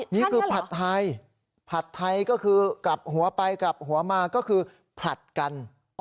นี่คือผัดไทยผัดไทยก็คือกลับหัวไปกลับหัวมาก็คือผลัดกัน